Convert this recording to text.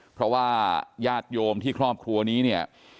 เพราะว่าญาติโยมที่ครอบครัวนี้เนี่ย